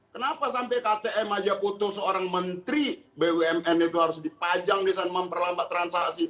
kenapa sampai ktm aja putus seorang menteri bumn itu harus dipajang di sana memperlambat transaksi